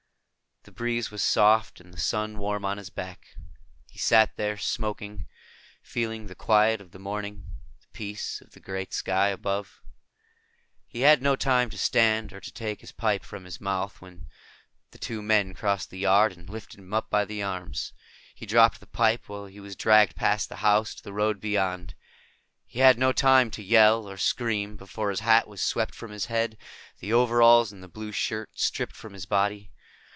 The breeze was soft and the sun warm on his back. He sat there, smoking, feeling the quiet of the morning, the peace of the great sky above. He had no time to stand or to take his pipe from his mouth, when the two men crossed the yard and lifted him up by the arms. He dropped the pipe, while he was dragged past the house, to the road beyond. He had no time to yell or scream, before his hat was swept from his head, the overalls and the blue shirt stripped from his body.